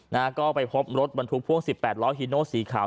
นะก็ไปพบรถบรรทุกพ่วง๑๘ร้อยฮิโนสีขาว